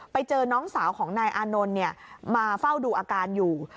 ไปเจอน้องสาวของนายอานนท์มาเฝ้าดูอาการอยู่